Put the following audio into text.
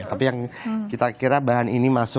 tapi yang kita kira bahan ini masuk